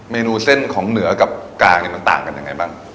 เมนูเส้นของเหนือกับกลางมันต่างกันอย่างไรบ้าง